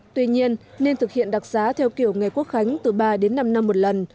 tuy nhiên nên thực hiện đặc giá theo kiểu ngày quốc khánh từ ba đến năm năm một lần